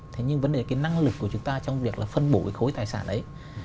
thế nhưng vấn đề cái năng lực của chúng ta trong việc là phân bổ cái khối tài sản ấy